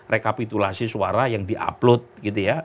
rekapitulasi suara yang di upload